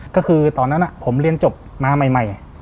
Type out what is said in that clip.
ก็คือตอนนั้นผมเรียนจบมาใหม่